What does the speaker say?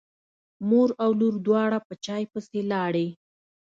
مور او لور دواړه په چای پسې لاړې.